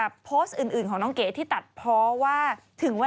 ก็เป็นเรื่องที่หลายคนก็ยังงงอ่ะเนอะ